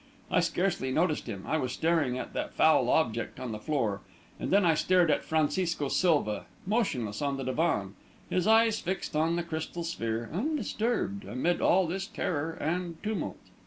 I scarcely noticed him; I was staring at that foul object on the floor; and then I stared at Francisco Silva, motionless on the divan, his eyes fixed on the crystal sphere, undisturbed amid all this terror and tumult.